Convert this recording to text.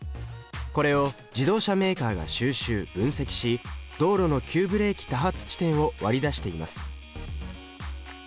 これを自動車メーカーが収集分析し道路の急ブレーキ多発地点を割り出しています。